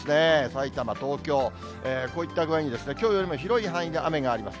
埼玉、東京、こういった具合に、きょうよりも広い範囲で雨があります。